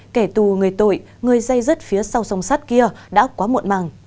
kẻ tù người tội người dây rứt phía sau sông sát kia đã quá muộn màng